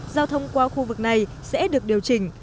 giao thông qua khu vực này sẽ được điều chỉnh